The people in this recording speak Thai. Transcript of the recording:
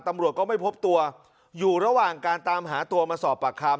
ตำรวจก็ไม่พบตัวอยู่ระหว่างการตามหาตัวมาสอบปากคำ